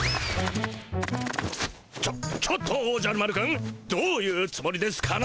ちょちょっとおじゃる丸くんどういうつもりですかな？